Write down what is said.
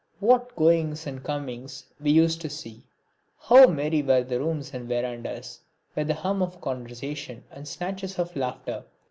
What goings and comings we used to see, how merry were the rooms and verandahs with the hum of conversation and the snatches of laughter!